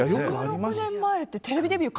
１６年前ってテレビデビュー